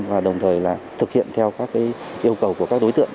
và đồng thời thực hiện theo yêu cầu của các đối tượng